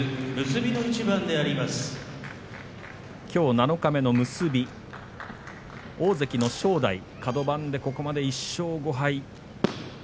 きょう七日目の結び大関の正代、カド番でここまで１勝５敗。